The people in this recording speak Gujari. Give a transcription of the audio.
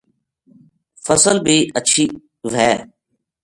فصل بھی ہچھی وھے